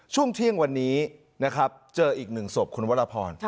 ช่วงเที่ยงวันนี้นะครับเจออีกหนึ่งศพคุณวรพร